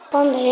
con thấy là nó